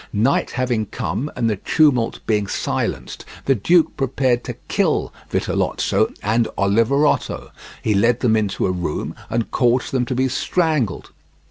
Night having come and the tumult being silenced, the duke prepared to kill Vitellozzo and Oliverotto; he led them into a room and caused them to be strangled.